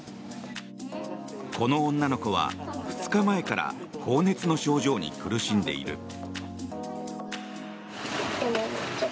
この女の子は、２日前から高熱の症状に苦しんでいる。